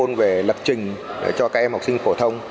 chúng ta phải lập trình cho các em học sinh phổ thông